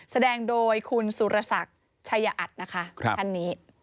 แสดงโดยคุณสุรศักดิ์ชัยอัตนะคะท่านนี้